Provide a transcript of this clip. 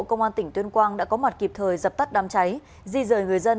công an tỉnh tuyên quang đã có mặt kịp thời dập tắt đám cháy di rời người dân